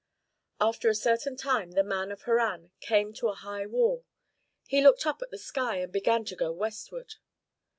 After a certain time the man of Harran came to a high wall. He looked up at the sky and began to go westward.